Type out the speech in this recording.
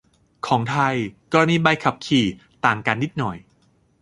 ของไทย กรณีใบขับขี่ ต่างกันนิดหน่อย